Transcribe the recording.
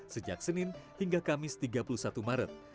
sejak senin hingga kamis tiga puluh satu maret